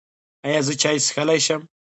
ایا زه چای څښلی شم؟